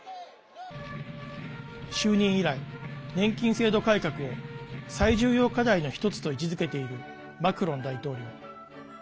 就任以来、年金制度改革を最重要課題の一つと位置づけているマクロン大統領。